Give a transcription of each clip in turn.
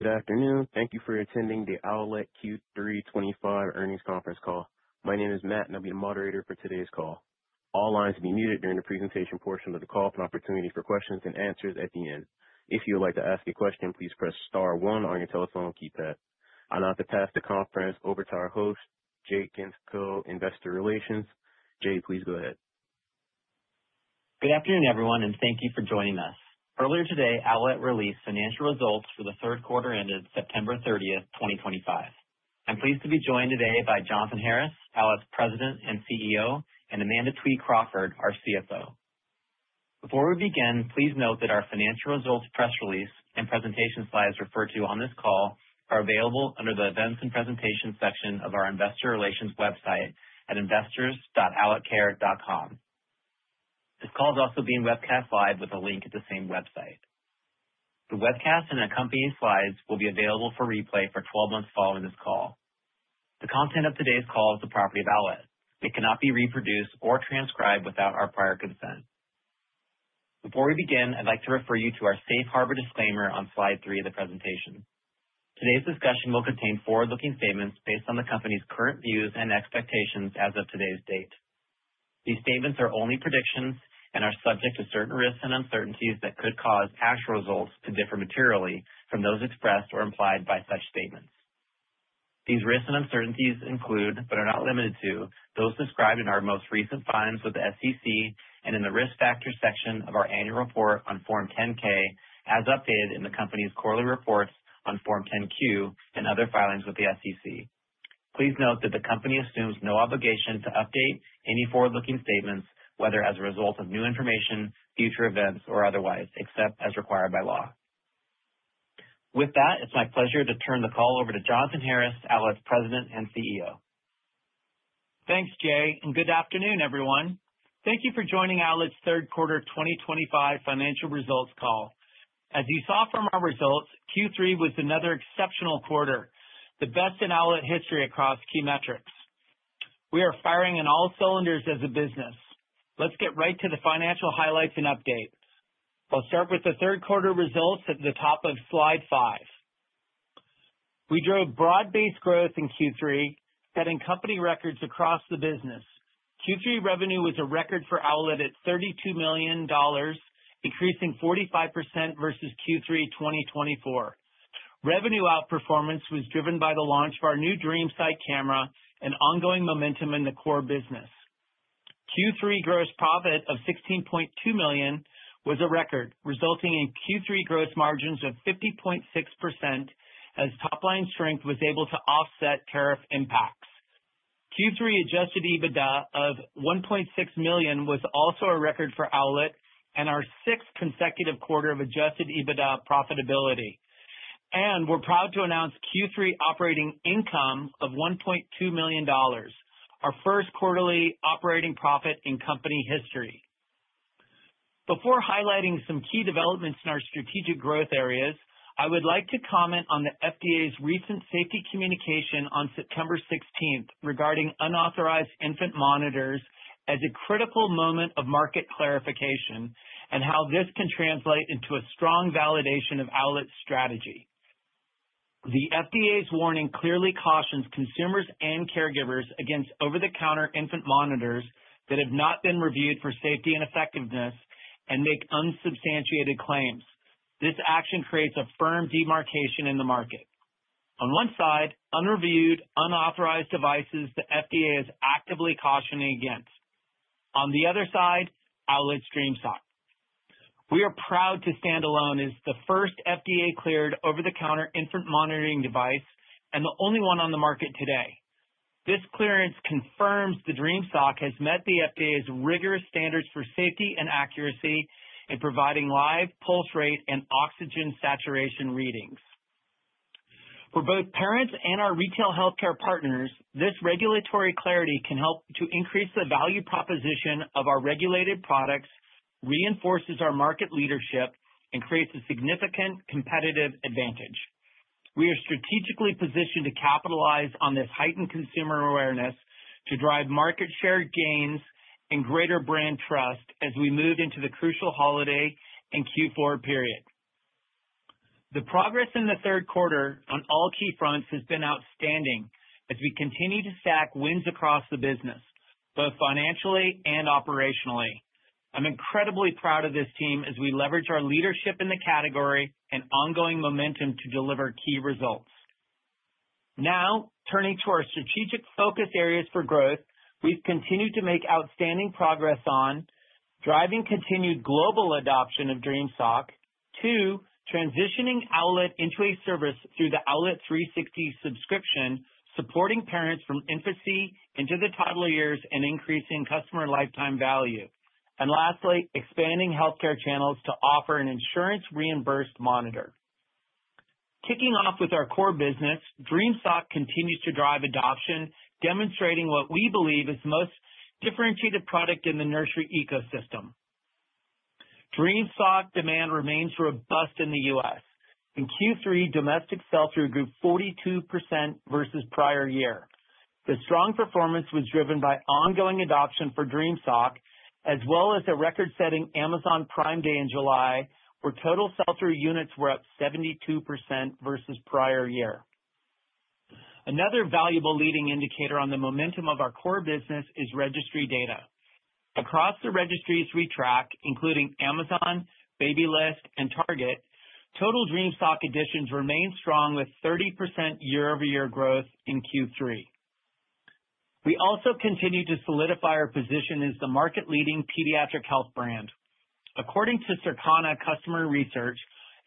Good afternoon. Thank you for attending the Owlet Q3 2025 earnings conference call. My name is Matt, and I'll be the moderator for today's call. All lines will be muted during the presentation portion of the call, with an opportunity for questions and answers at the end. If you would like to ask a question, please press star one on your telephone keypad. I'll now pass the conference over to our host, Jay Gentzkow, Investor Relations. Jay, please go ahead. Good afternoon, everyone, and thank you for joining us. Earlier today, Owlet released financial results for the third quarter ended September 30, 2025. I'm pleased to be joined today by Jonathan Harris, Owlet's President and CEO, and Amanda Twede Crawford, our CFO. Before we begin, please note that our financial results press release and presentation slides referred to on this call are available under the events and presentations section of our Investor Relations website at investors.owletcare.com. This call is also being webcast live with a link at the same website. The webcast and accompanying slides will be available for replay for 12 months following this call. The content of today's call is the property of Owlet. It cannot be reproduced or transcribed without our prior consent. Before we begin, I'd like to refer you to our safe harbor disclaimer on slide three of the presentation. Today's discussion will contain forward-looking statements based on the company's current views and expectations as of today's date. These statements are only predictions and are subject to certain risks and uncertainties that could cause actual results to differ materially from those expressed or implied by such statements. These risks and uncertainties include, but are not limited to, those described in our most recent filings with the SEC and in the risk factor section of our annual report on Form 10-K, as updated in the company's quarterly reports on Form 10-Q and other filings with the SEC. Please note that the company assumes no obligation to update any forward-looking statements, whether as a result of new information, future events, or otherwise, except as required by law. With that, it's my pleasure to turn the call over to Jonathan Harris, Owlet's President and CEO. Thanks, Jay, and good afternoon, everyone. Thank you for joining Owlet's third quarter 2025 financial results call. As you saw from our results, Q3 was another exceptional quarter, the best in Owlet history across key metrics. We are firing on all cylinders as a business. Let's get right to the financial highlights and update. I'll start with the third quarter results at the top of slide five. We drove broad-based growth in Q3, setting company records across the business. Q3 revenue was a record for Owlet at $32 million, increasing 45% versus Q3 2024. Revenue outperformance was driven by the launch of our new DreamSight camera and ongoing momentum in the core business. Q3 gross profit of $16.2 million was a record, resulting in Q3 gross margins of 50.6% as top-line strength was able to offset tariff impacts. Q3 adjusted EBITDA of $1.6 million was also a record for Owlet and our sixth consecutive quarter of adjusted EBITDA profitability. We are proud to announce Q3 operating income of $1.2 million, our first quarterly operating profit in company history. Before highlighting some key developments in our strategic growth areas, I would like to comment on the FDA's recent safety communication on September 16 regarding unauthorized infant monitors as a critical moment of market clarification and how this can translate into a strong validation of Owlet's strategy. The FDA's warning clearly cautions consumers and caregivers against over-the-counter infant monitors that have not been reviewed for safety and effectiveness and make unsubstantiated claims. This action creates a firm demarcation in the market. On one side, unreviewed, unauthorized devices the FDA is actively cautioning against. On the other side, Owlet's DreamSock. We are proud to stand alone as the first FDA-cleared over-the-counter infant monitoring device and the only one on the market today. This clearance confirms the DreamSock has met the FDA's rigorous standards for safety and accuracy in providing live pulse rate and oxygen saturation readings. For both parents and our retail healthcare partners, this regulatory clarity can help to increase the value proposition of our regulated products, reinforces our market leadership, and creates a significant competitive advantage. We are strategically positioned to capitalize on this heightened consumer awareness to drive market share gains and greater brand trust as we move into the crucial holiday and Q4 period. The progress in the third quarter on all key fronts has been outstanding as we continue to stack wins across the business, both financially and operationally. I'm incredibly proud of this team as we leverage our leadership in the category and ongoing momentum to deliver key results. Now, turning to our strategic focus areas for growth, we've continued to make outstanding progress on driving continued global adoption of DreamSock, two, transitioning Owlet into a service through the Owlet 360 subscription, supporting parents from infancy into the toddler years and increasing customer lifetime value. Lastly, expanding healthcare channels to offer an insurance-reimbursed monitor. Kicking off with our core business, DreamSock continues to drive adoption, demonstrating what we believe is the most differentiated product in the nursery ecosystem. DreamSock demand remains robust in the U.S. In Q3, domestic sell-through grew 42% versus prior year. The strong performance was driven by ongoing adoption for DreamSock, as well as a record-setting Amazon Prime Day in July, where total sell-through units were up 72% versus prior year. Another valuable leading indicator on the momentum of our core business is registry data. Across the registries we track, including Amazon, Babylist, and Target, total DreamSock additions remain strong with 30% year-over-year growth in Q3. We also continue to solidify our position as the market-leading pediatric health brand. According to Circana Customer Research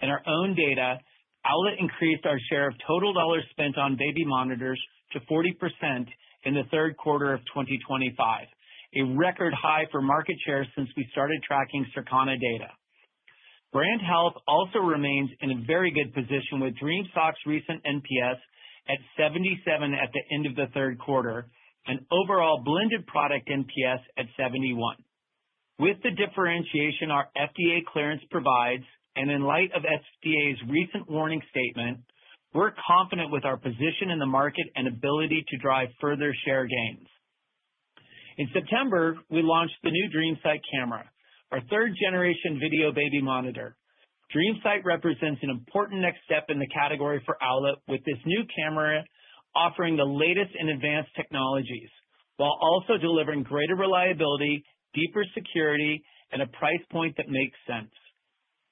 and our own data, Owlet increased our share of total dollars spent on baby monitors to 40% in the third quarter of 2025, a record high for market share since we started tracking Circana data. Brand health also remains in a very good position with DreamSock's recent NPS at 77 at the end of the third quarter and overall blended product NPS at 71. With the differentiation our FDA clearance provides, and in light of FDA's recent warning statement, we're confident with our position in the market and ability to drive further share gains. In September, we launched the new DreamSight camera, our third-generation video baby monitor. DreamSight represents an important next step in the category for Owlet with this new camera offering the latest and advanced technologies while also delivering greater reliability, deeper security, and a price point that makes sense.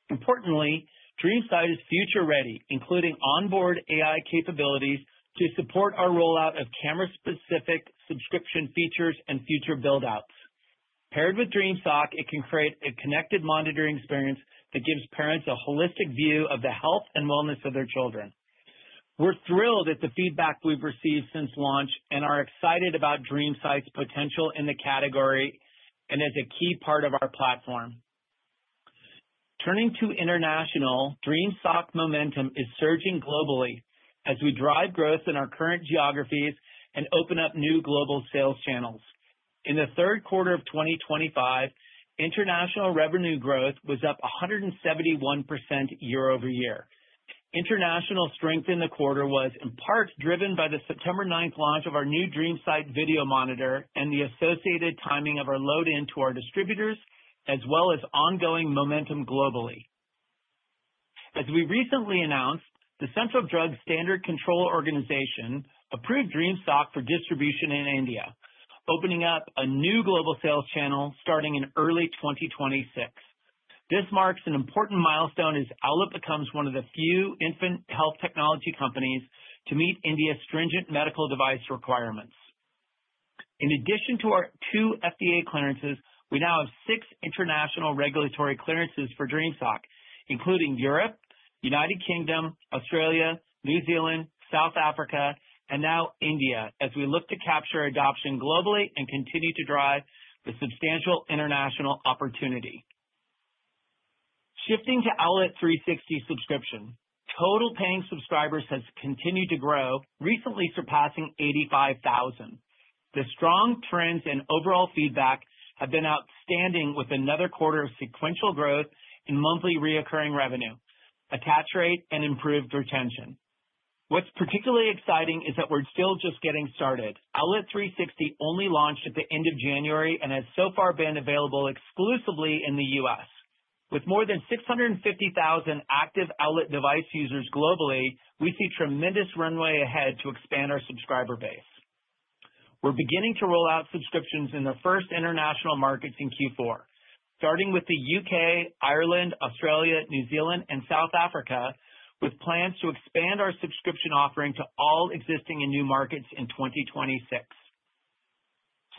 Importantly, DreamSight is future-ready, including onboard AI capabilities to support our rollout of camera-specific subscription features and future buildouts. Paired with DreamSock, it can create a connected monitoring experience that gives parents a holistic view of the health and wellness of their children. We're thrilled at the feedback we've received since launch and are excited about DreamSight's potential in the category and as a key part of our platform. Turning to international, DreamSock momentum is surging globally as we drive growth in our current geographies and open up new global sales channels. In the third quarter of 2025, international revenue growth was up 171% year-over-year. International strength in the quarter was in part driven by the September 9th launch of our new DreamSight video monitor and the associated timing of our load-in to our distributors, as well as ongoing momentum globally. As we recently announced, the Central Drugs Standard Control Organization approved DreamSock for distribution in India, opening up a new global sales channel starting in early 2026. This marks an important milestone as Owlet becomes one of the few infant health technology companies to meet India's stringent medical device requirements. In addition to our two FDA clearances, we now have six international regulatory clearances for DreamSock, including Europe, the United Kingdom, Australia, New Zealand, South Africa, and now India, as we look to capture adoption globally and continue to drive the substantial international opportunity. Shifting to Owlet 360 subscription, total paying subscribers has continued to grow, recently surpassing 85,000. The strong trends and overall feedback have been outstanding, with another quarter of sequential growth in monthly recurring revenue, attach rate, and improved retention. What's particularly exciting is that we're still just getting started. Owlet 360 only launched at the end of January and has so far been available exclusively in the U.S. With more than 650,000 active Owlet device users globally, we see tremendous runway ahead to expand our subscriber base. We're beginning to roll out subscriptions in the first international markets in Q4, starting with the U.K., Ireland, Australia, New Zealand, and South Africa, with plans to expand our subscription offering to all existing and new markets in 2026.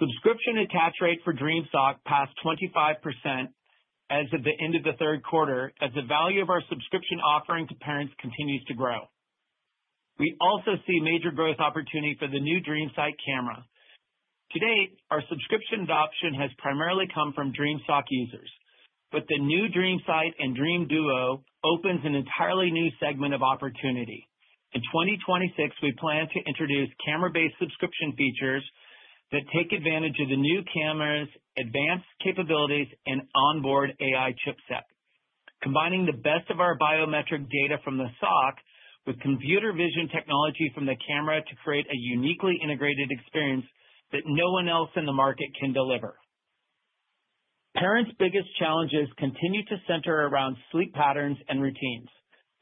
Subscription attach rate for DreamSock passed 25% as of the end of the third quarter, as the value of our subscription offering to parents continues to grow. We also see major growth opportunity for the new Dream Sight camera. To date, our subscription adoption has primarily come from DreamSock users, but the new Dream Sight and Dream Duo opens an entirely new segment of opportunity. In 2026, we plan to introduce camera-based subscription features that take advantage of the new camera's advanced capabilities and onboard AI chipset, combining the best of our biometric data from the SOC with computer vision technology from the camera to create a uniquely integrated experience that no one else in the market can deliver. Parents' biggest challenges continue to center around sleep patterns and routines.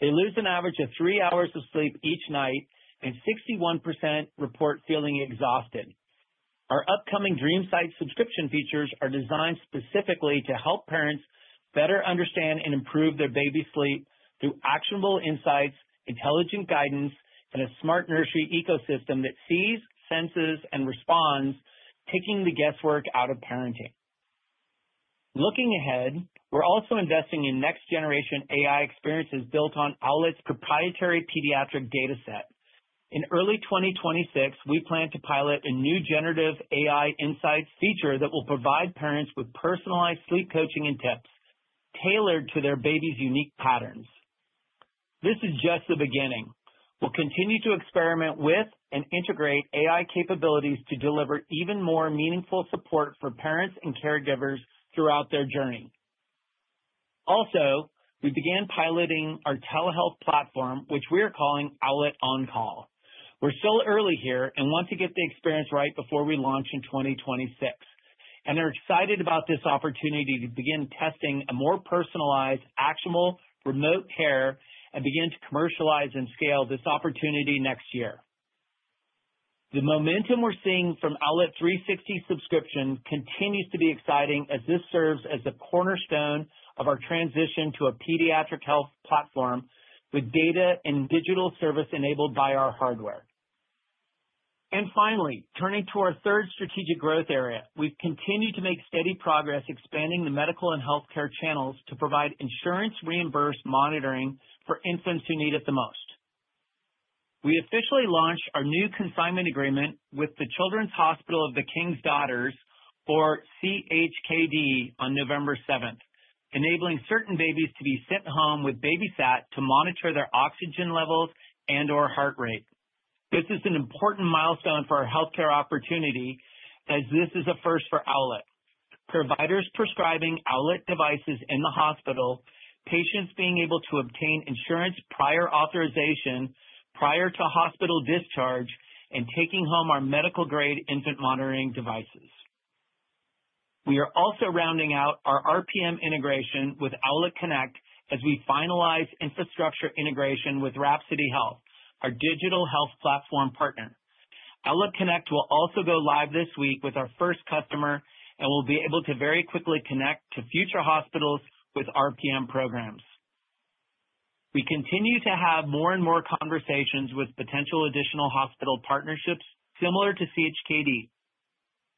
They lose an average of three hours of sleep each night, and 61% report feeling exhausted. Our upcoming DreamSight subscription features are designed specifically to help parents better understand and improve their baby's sleep through actionable insights, intelligent guidance, and a smart nursery ecosystem that sees, senses, and responds, taking the guesswork out of parenting. Looking ahead, we're also investing in next-generation AI experiences built on Owlet's proprietary pediatric dataset. In early 2026, we plan to pilot a new generative AI insights feature that will provide parents with personalized sleep coaching and tips tailored to their baby's unique patterns. This is just the beginning. We'll continue to experiment with and integrate AI capabilities to deliver even more meaningful support for parents and caregivers throughout their journey. Also, we began piloting our telehealth platform, which we are calling Owlet On Call. We're still early here and want to get the experience right before we launch in 2026. We're excited about this opportunity to begin testing a more personalized, actionable remote care and begin to commercialize and scale this opportunity next year. The momentum we're seeing from Owlet 360 subscription continues to be exciting as this serves as a cornerstone of our transition to a pediatric health platform with data and digital service enabled by our hardware. Finally, turning to our third strategic growth area, we've continued to make steady progress expanding the medical and healthcare channels to provide insurance-reimbursed monitoring for infants who need it the most. We officially launched our new consignment agreement with the Children's Hospital of the King's Daughters or CHKD on November 7th, enabling certain babies to be sent home with Babysat to monitor their oxygen levels and/or heart rate. This is an important milestone for our healthcare opportunity as this is a first for Owlet. Providers prescribing Owlet devices in the hospital, patients being able to obtain insurance prior authorization prior to hospital discharge, and taking home our medical-grade infant monitoring devices. We are also rounding out our RPM integration with Owlet Connect as we finalize infrastructure integration with Rapid City Health, our digital health platform partner. Owlet Connect will also go live this week with our first customer and will be able to very quickly connect to future hospitals with RPM programs. We continue to have more and more conversations with potential additional hospital partnerships similar to CHKD.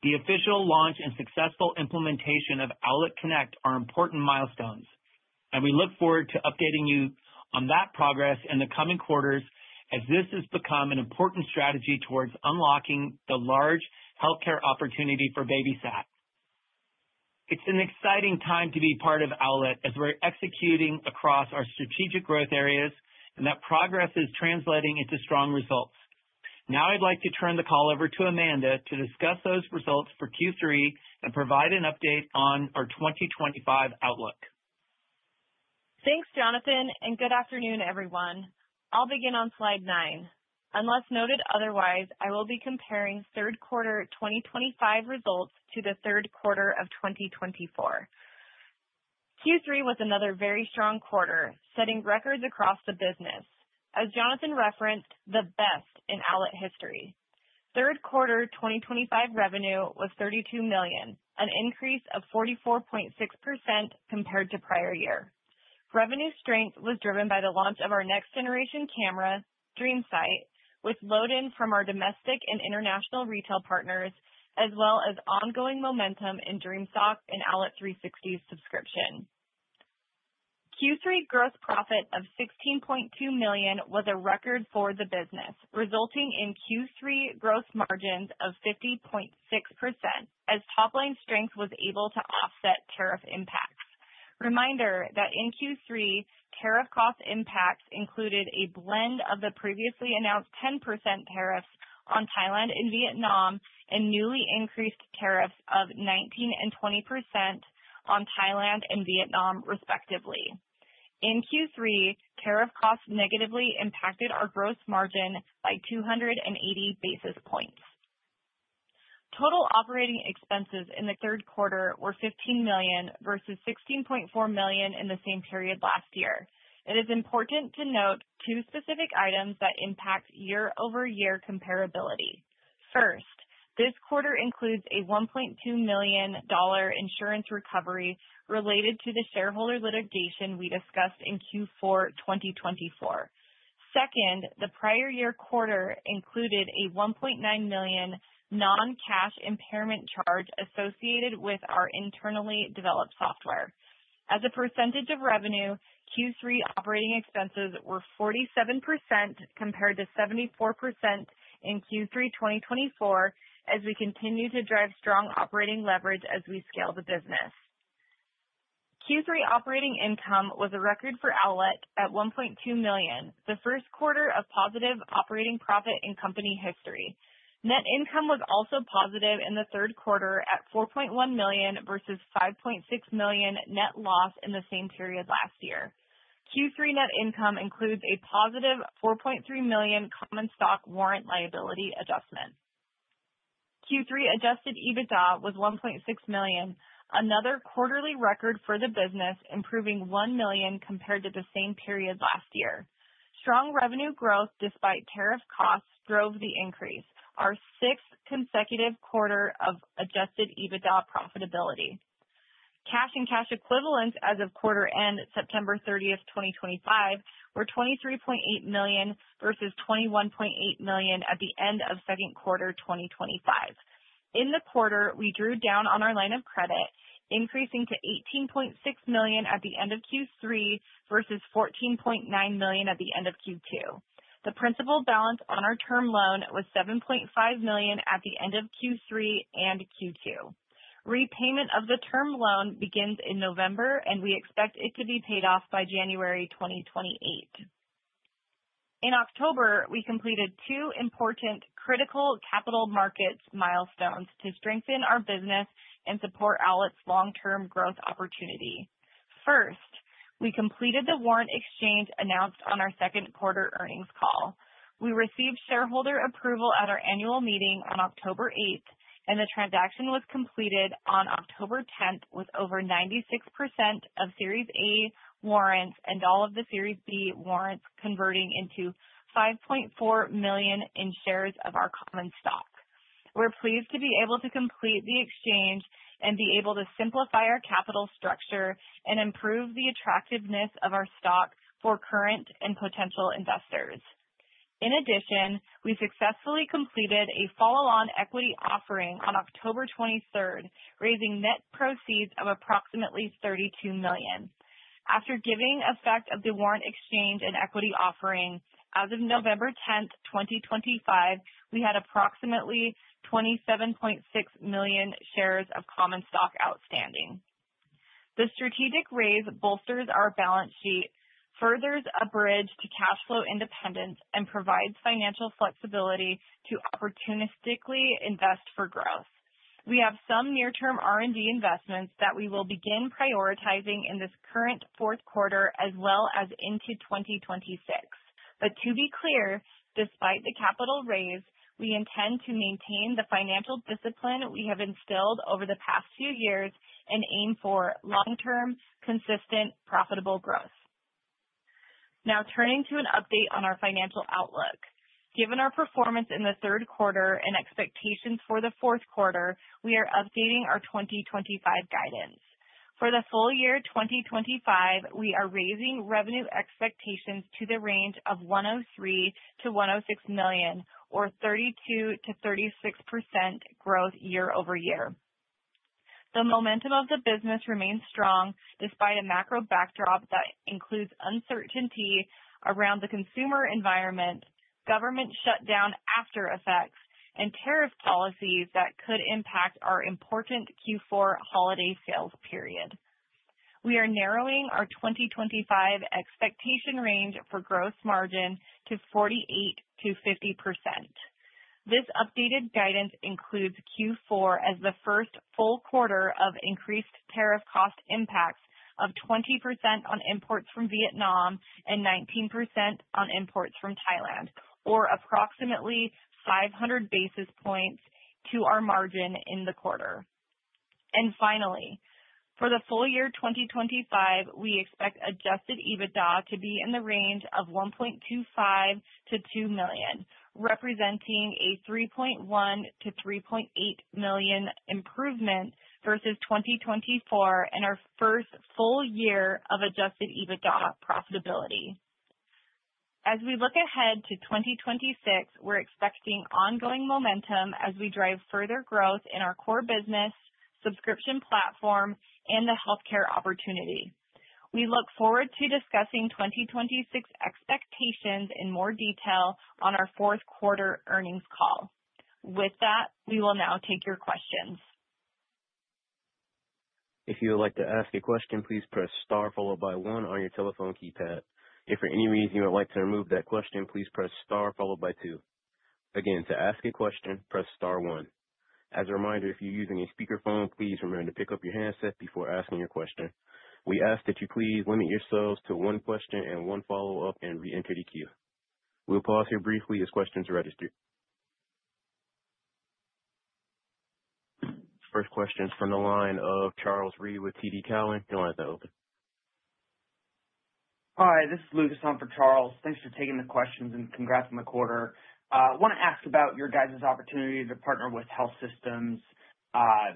The official launch and successful implementation of Owlet Connect are important milestones, and we look forward to updating you on that progress in the coming quarters as this has become an important strategy towards unlocking the large healthcare opportunity for Babysat. It's an exciting time to be part of Owlet as we're executing across our strategic growth areas and that progress is translating into strong results. Now I'd like to turn the call over to Amanda to discuss those results for Q3 and provide an update on our 2025 outlook. Thanks, Jonathan, and good afternoon, everyone. I'll begin on slide nine. Unless noted otherwise, I will be comparing third quarter 2025 results to the third quarter of 2024. Q3 was another very strong quarter, setting records across the business. As Jonathan referenced, the best in Owlet history. Third quarter 2025 revenue was $32 million, an increase of 44.6% compared to prior year. Revenue strength was driven by the launch of our next-generation camera, DreamSight, with load-in from our domestic and international retail partners, as well as ongoing momentum in DreamSock and Owlet 360 subscription. Q3 gross profit of $16.2 million was a record for the business, resulting in Q3 gross margins of 50.6% as top-line strength was able to offset tariff impacts. Reminder that in Q3, tariff cost impacts included a blend of the previously announced 10% tariffs on Thailand and Vietnam and newly increased tariffs of 19% and 20% on Thailand and Vietnam, respectively. In Q3, tariff costs negatively impacted our gross margin by 280 basis points. Total operating expenses in the third quarter were $15 million versus $16.4 million in the same period last year. It is important to note two specific items that impact year-over-year comparability. First, this quarter includes a $1.2 million insurance recovery related to the shareholder litigation we discussed in Q4 2024. Second, the prior year quarter included a $1.9 million non-cash impairment charge associated with our internally developed software. As a percentage of revenue, Q3 operating expenses were 47% compared to 74% in Q3 2024 as we continue to drive strong operating leverage as we scale the business. Q3 operating income was a record for Owlet at $1.2 million, the first quarter of positive operating profit in company history. Net income was also positive in the third quarter at $4.1 million versus $5.6 million net loss in the same period last year. Q3 net income includes a positive $4.3 million common stock warrant liability adjustment. Q3 adjusted EBITDA was $1.6 million, another quarterly record for the business, improving $1 million compared to the same period last year. Strong revenue growth despite tariff costs drove the increase, our sixth consecutive quarter of adjusted EBITDA profitability. Cash and cash equivalents as of quarter end, September 30th, 2025, were $23.8 million versus $21.8 million at the end of second quarter 2025. In the quarter, we drew down on our line of credit, increasing to $18.6 million at the end of Q3 versus $14.9 million at the end of Q2. The principal balance on our term loan was $7.5 million at the end of Q3 and Q2. Repayment of the term loan begins in November, and we expect it to be paid off by January 2028. In October, we completed two important critical capital markets milestones to strengthen our business and support Owlet's long-term growth opportunity. First, we completed the warrant exchange announced on our second quarter earnings call. We received shareholder approval at our annual meeting on October 8th, and the transaction was completed on October 10th with over 96% of Series A warrants and all of the Series B warrants converting into $5.4 million in shares of our common stock. We're pleased to be able to complete the exchange and be able to simplify our capital structure and improve the attractiveness of our stock for current and potential investors. In addition, we successfully completed a follow-on equity offering on October 23, raising net proceeds of approximately $32 million. After giving effect of the warrant exchange and equity offering, as of November 10, 2025, we had approximately 27.6 million shares of common stock outstanding. The strategic raise bolsters our balance sheet, furthers a bridge to cash flow independence, and provides financial flexibility to opportunistically invest for growth. We have some near-term R&D investments that we will begin prioritizing in this current fourth quarter as well as into 2026. To be clear, despite the capital raise, we intend to maintain the financial discipline we have instilled over the past few years and aim for long-term, consistent, profitable growth. Now turning to an update on our financial outlook. Given our performance in the third quarter and expectations for the fourth quarter, we are updating our 2025 guidance. For the full year 2025, we are raising revenue expectations to the range of $103 million-$106 million, or 32%-36% growth year over year. The momentum of the business remains strong despite a macro backdrop that includes uncertainty around the consumer environment, government shutdown after effects, and tariff policies that could impact our important Q4 holiday sales period. We are narrowing our 2025 expectation range for gross margin to 48%-50%. This updated guidance includes Q4 as the first full quarter of increased tariff cost impacts of 20% on imports from Vietnam and 19% on imports from Thailand, or approximately 500 basis points to our margin in the quarter. Finally, for the full year 2025, we expect adjusted EBITDA to be in the range of $1.25 million-$2 million, representing a $3.1 million-$3.8 million improvement versus 2024 and our first full year of adjusted EBITDA profitability. As we look ahead to 2026, we are expecting ongoing momentum as we drive further growth in our core business, subscription platform, and the healthcare opportunity. We look forward to discussing 2026 expectations in more detail on our fourth quarter earnings call. With that, we will now take your questions. If you would like to ask a question, please press star followed by one on your telephone keypad. If for any reason you would like to remove that question, please press star followed by two. Again, to ask a question, press star one. As a reminder, if you are using a speakerphone, please remember to pick up your handset before asking your question. We ask that you please limit yourselves to one question and one follow-up and re-enter the queue. We'll pause here briefly as questions are registered. First question is from the line of Charles Rhyee with TD Cowen. You'll have that open. Hi, this is Lucas on for Charles. Thanks for taking the questions and congrats on the quarter. I want to ask about your guys' opportunity to partner with health systems. I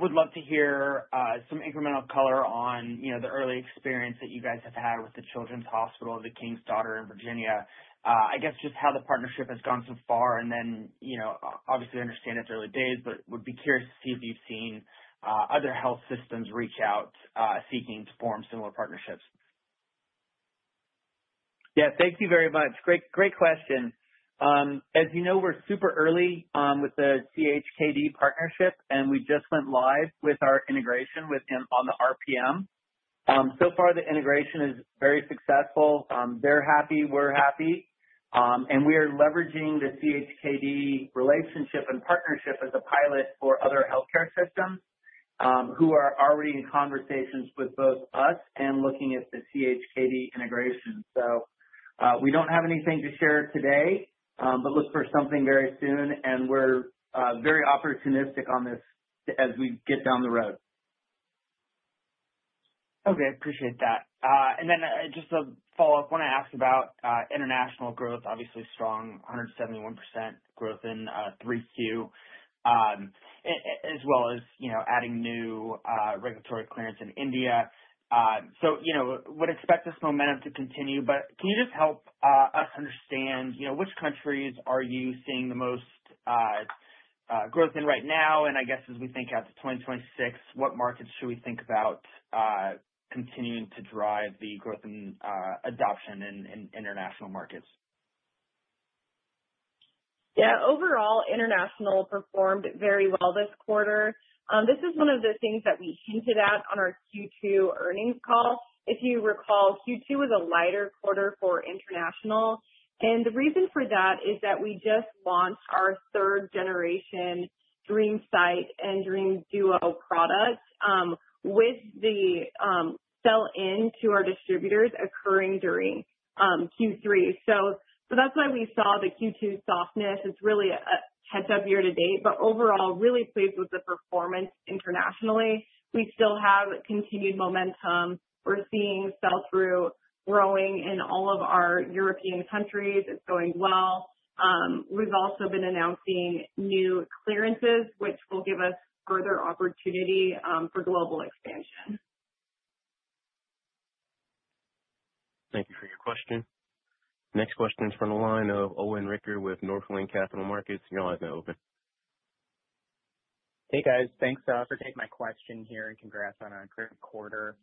would love to hear some incremental color on the early experience that you guys have had with the Children's Hospital of the King's Daughters in Virginia. I guess just how the partnership has gone so far and then obviously understand it's early days, but would be curious to see if you've seen other health systems reach out seeking to form similar partnerships. Yeah, thank you very much. Great question. As you know, we're super early with the CHKD partnership, and we just went live with our integration with them on the RPM. So far, the integration is very successful. They're happy, we're happy, and we are leveraging the CHKD relationship and partnership as a pilot for other healthcare systems who are already in conversations with both us and looking at the CHKD integration. We don't have anything to share today, but look for something very soon, and we're very opportunistic on this as we get down the road. Okay, appreciate that. And then just a follow-up, I want to ask about international growth, obviously strong, 171% growth in 3Q, as well as adding new regulatory clearance in India. We'd expect this momentum to continue, but can you just help us understand which countries are you seeing the most growth in right now? I guess as we think out to 2026, what markets should we think about continuing to drive the growth and adoption in international markets? Yeah, overall, international performed very well this quarter. This is one of the things that we hinted at on our Q2 earnings call. If you recall, Q2 was a lighter quarter for international. The reason for that is that we just launched our third-generation DreamSight and Dream Duo products with the sell-in to our distributors occurring during Q3. That is why we saw the Q2 softness. It is really a catch-up year to date, but overall, really pleased with the performance internationally. We still have continued momentum. We are seeing sell-through growing in all of our European countries. It is going well. We have also been announcing new clearances, which will give us further opportunity for global expansion. Thank you for your question. Next question's from the line of Owen Rickert with Northland Capital Markets. You'll have that open. Hey guys, thanks for taking my question here and congrats on a great quarter.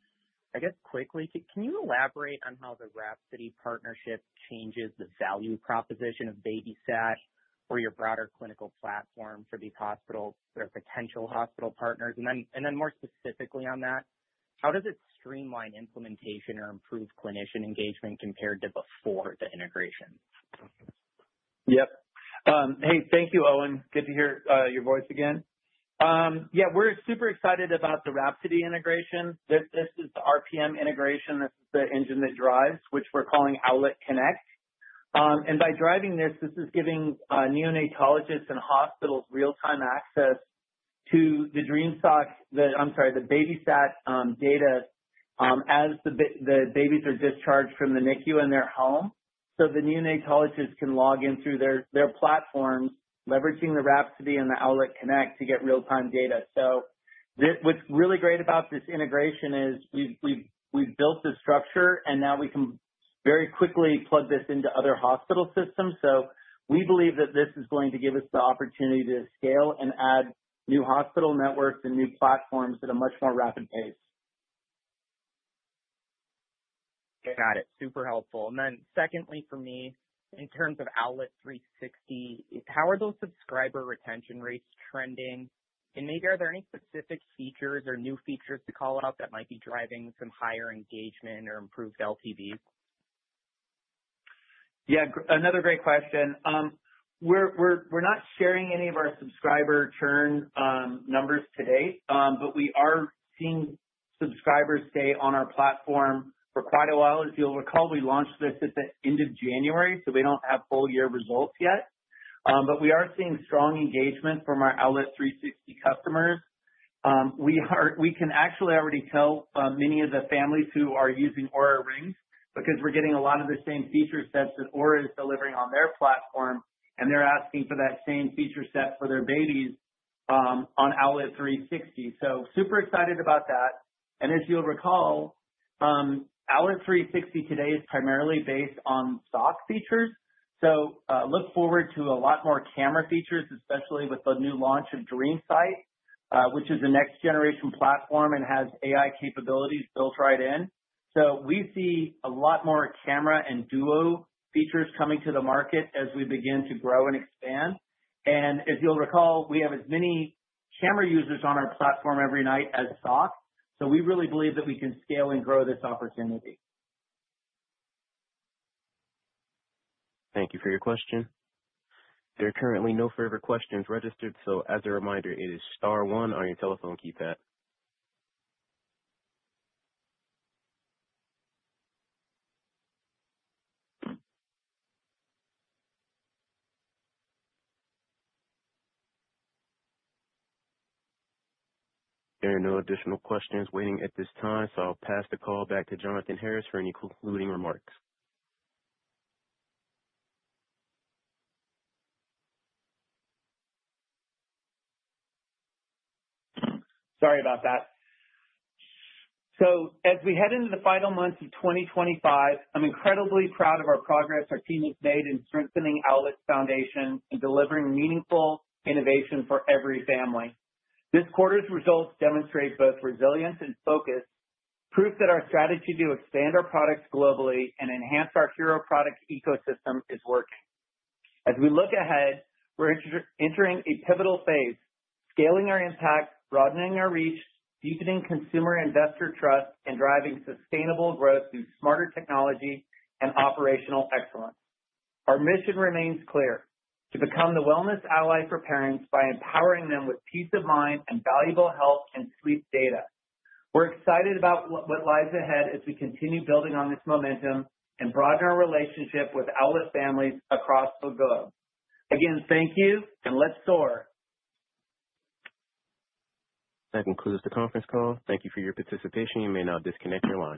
I guess quickly, can you elaborate on how the Rapid City partnership changes the value proposition of Babysat or your broader clinical platform for these hospitals or potential hospital partners? More specifically on that, how does it streamline implementation or improve clinician engagement compared to before the integration? Yep. Hey, thank you, Owen. Good to hear your voice again. Yeah, we're super excited about the Rapid City integration. This is the RPM integration. This is the engine that drives, which we're calling Owlet Connect. By driving this, this is giving neonatologists and hospitals real-time access to the DreamSock, I'm sorry, the Babysat data as the babies are discharged from the NICU in their home. The neonatologists can log in through their platforms, leveraging Rapid City and Owlet Connect to get real-time data. What's really great about this integration is we've built the structure, and now we can very quickly plug this into other hospital systems. We believe that this is going to give us the opportunity to scale and add new hospital networks and new platforms at a much more rapid pace. Got it. Super helpful. Secondly, for me, in terms of Owlet 360, how are those subscriber retention rates trending? Maybe are there any specific features or new features to call out that might be driving some higher engagement or improved LTV? Yeah, another great question. We're not sharing any of our subscriber churn numbers today, but we are seeing subscribers stay on our platform for quite a while. As you'll recall, we launched this at the end of January, so we don't have full year results yet. But we are seeing strong engagement from our Owlet 360 customers. We can actually already tell many of the families who are using Oura Rings because we're getting a lot of the same feature sets that Oura is delivering on their platform, and they're asking for that same feature set for their babies on Owlet 360. Super excited about that. As you'll recall, Owlet 360 today is primarily based on sock features. Look forward to a lot more camera features, especially with the new launch of DreamSight, which is a next-generation platform and has AI capabilities built right in. We see a lot more camera and Duo features coming to the market as we begin to grow and expand. As you'll recall, we have as many camera users on our platform every night as sock. We really believe that we can scale and grow this opportunity. Thank you for your question. There are currently no further questions registered. As a reminder, it is star one on your telephone keypad. There are no additional questions waiting at this time, so I'll pass the call back to Jonathan Harris for any concluding remarks. Sorry about that. As we head into the final months of 2025, I'm incredibly proud of our progress our team has made in strengthening Owlet Foundation and delivering meaningful innovation for every family. This quarter's results demonstrate both resilience and focus, proof that our strategy to expand our products globally and enhance our hero product ecosystem is working. As we look ahead, we're entering a pivotal phase, scaling our impact, broadening our reach, deepening consumer investor trust, and driving sustainable growth through smarter technology and operational excellence. Our mission remains clear: to become the wellness ally for parents by empowering them with peace of mind and valuable health and sleep data. We're excited about what lies ahead as we continue building on this momentum and broaden our relationship with Owlet families across the globe. Again, thank you, and let's soar. That concludes the conference call. Thank you for your participation. You may now disconnect your line.